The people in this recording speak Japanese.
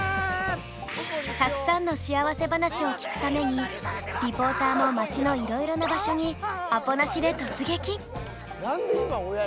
たくさんの幸せ話を聞くためにリポーターも町のいろいろな場所にアポなしで突撃！